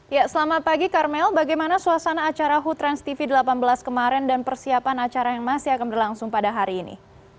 ya selamat pagi karmel bagaimana suasana acara hoo transtv delapan belas kemarin dan persiapan acara yang masih akan berlangsung pada hari ini